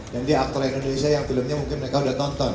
dan dia aktor indonesia yang filmnya mungkin mereka udah tonton